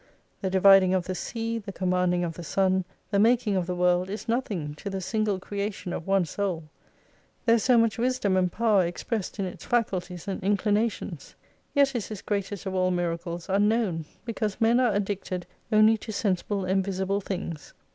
The dividing of the sea, the commanding of the sun, the making of the world is nothing to the single creation of one soul : There is so much wisdom and power ex pressed in its faculties and inclinations. Yet is this greatest of all miracles unknown because men are addicted only to sensible and visible things.